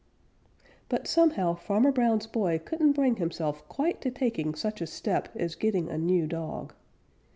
But somehow Farmer Brown's boy couldn't bring himself quite to taking such a step as getting a new dog.